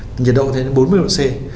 nhiệt độ bốn mươi độ c